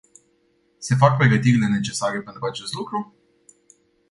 Se fac pregătirile necesare pentru acest lucru?